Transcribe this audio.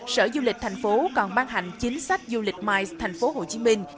sở du lịch thành phố còn ban hành chính sách du lịch mice thành phố hồ chí minh